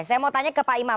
saya mau tanya ke pak imam